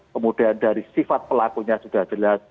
kemudian dari sifat pelakunya sudah jelas